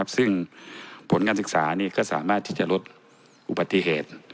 ซึ่งผลการศึกษาก็สามารถที่จะลดอุบัติเหตุ